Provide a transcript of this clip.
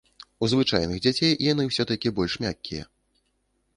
У звычайных дзяцей яны ўсё-такі больш мяккія.